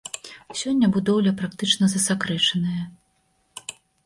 Сёння будоўля практычна засакрэчаная.